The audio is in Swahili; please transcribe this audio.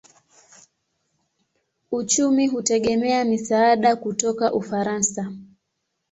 Uchumi hutegemea misaada kutoka Ufaransa.